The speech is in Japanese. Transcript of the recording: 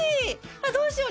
あっどうしよう。